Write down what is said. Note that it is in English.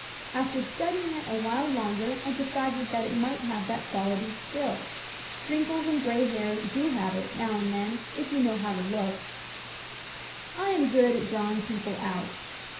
After studying, it a while longer I decided that it might have that quality still. Wrinkles [ 237 ] Digitized by LjOOQ IC Interventions and gray hair do have it, now and then, if you know how to look. I am good at drawing people out.